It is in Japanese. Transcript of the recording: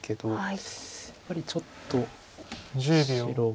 やっぱりちょっと白が。